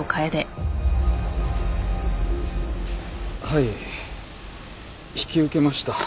はい引き受けました。